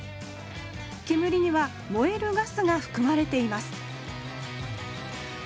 煙には燃えるガスがふくまれています